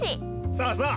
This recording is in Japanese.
そうそう！